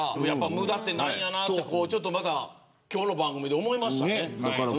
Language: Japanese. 無駄ってないんやなと今日の番組で思いましたね。